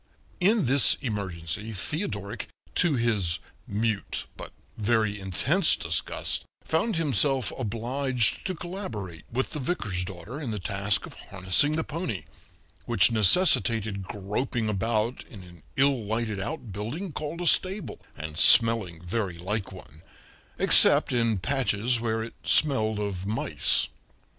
In this emergency Theodoric, to his mute but very intense disgust, found himself obliged to collaborate with the vicar's daughter in the task of harnessing the pony, which necessitated groping about in an ill lighted outbuilding called a stable, and melling very like one except in patches where it smelled of mice.